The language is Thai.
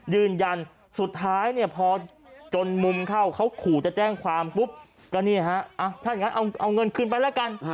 ยืนยันสุดท้ายเนี่ยพอจนมุมเข้าเขาขู่จะแจ้งความปุ๊บก็เนี่ยฮะถ้าอย่างนั้นเอาเงินคืนไปแล้วกัน